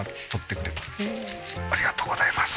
「ありがとうございます」